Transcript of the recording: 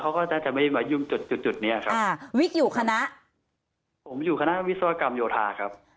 เขาก็น่าจะไม่ได้มายุ่งจุดจุดจุดเนี้ยครับค่ะวิกอยู่คณะผมอยู่คณะวิศวกรรมโยธาครับ